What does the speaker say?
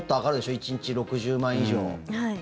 １日６０万回以上。